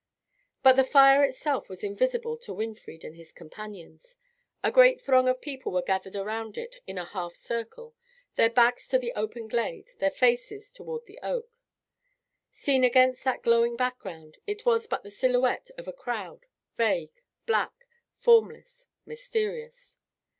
But the fire itself was invisible to Winfried and his companions. A great throng of people were gathered around it in a half circle, their backs to the open glade, their faces toward the oak. Seen against that glowing background, it was but the silhouette of a crowd, vague, black, formless, mysterious.